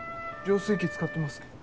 浄水器使ってますけど。